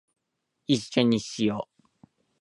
一緒にしよ♡